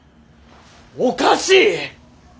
おかしい！